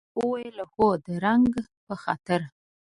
په خندا یې وویل هو د رنګ په خاطر.